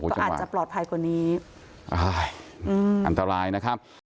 ก็อาจจะปลอดภัยกว่านี้อันตรายนะครับ